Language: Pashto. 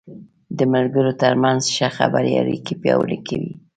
د ملګرو تر منځ ښه خبرې اړیکې پیاوړې کوي.